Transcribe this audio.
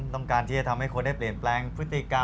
ต้องการที่จะทำให้คนได้เปลี่ยนแปลงพฤติกรรม